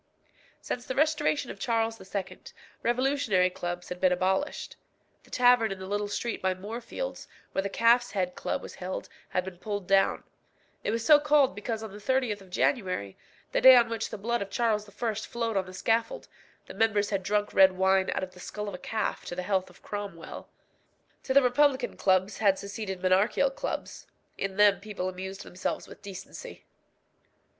Since the restoration of Charles II. revolutionary clubs had been abolished. The tavern in the little street by Moorfields, where the Calf's Head Club was held, had been pulled down; it was so called because on the 30th of January, the day on which the blood of Charles I. flowed on the scaffold, the members had drunk red wine out of the skull of a calf to the health of Cromwell. To the republican clubs had succeeded monarchical clubs. In them people amused themselves with decency.